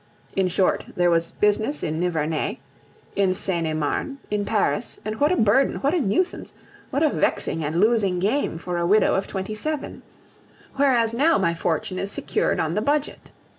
In short, there was business in Nivernais, in Seine et Marne, in Paris and what a burden, what a nuisance, what a vexing and losing game for a widow of twenty seven! Whereas now my fortune is secured on the Budget.